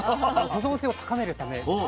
保存性を高めるためでして。